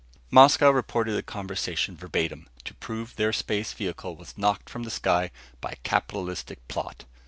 Moscow reported the conversation, verbatim, to prove their space vehicle was knocked from the sky by a capitalistic plot.